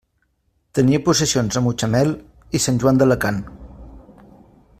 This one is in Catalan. Tenia possessions a Mutxamel i Sant Joan d'Alacant.